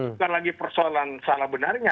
bukan lagi persoalan salah benarnya